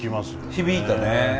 響いたね。